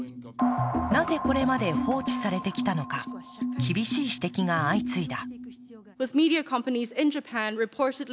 なぜこれまで放置されてきたのか厳しい指摘が相次いだ。